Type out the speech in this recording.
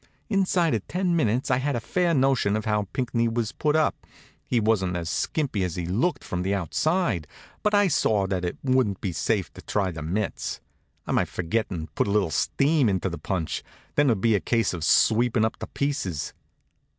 Inside of ten minutes I had a fair notion of how Pinckney was put up. He wasn't as skimpy as he'd looked from the outside, but I saw that it wouldn't be safe to try the mitts: I might forget and put a little steam into the punch then it would be a case of sweepin' up the pieces.